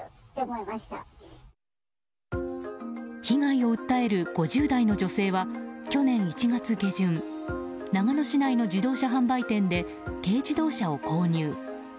被害を訴える５０代の女性は去年１月下旬長野市内の自動車販売店で軽自動車を購入。